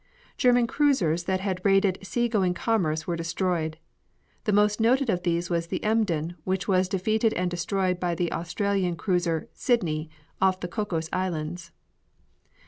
German cruisers that had raided sea going commerce were destroyed. The most noted of these was the Emden, which was defeated and destroyed by the Australian cruiser Sydney off the Cocos Islands.